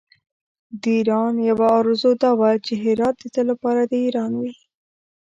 د ایران یوه آرزو دا وه چې هرات د تل لپاره د ایران وي.